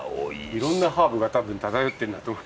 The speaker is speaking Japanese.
色んなハーブが多分漂ってるんだと思います。